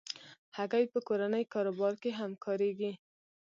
هګۍ په کورني کاروبار کې هم کارېږي.